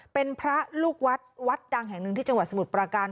เป็นพระลูกวัดวัดดังแห่งหนึ่งที่จังหวัดสมุทรปราการ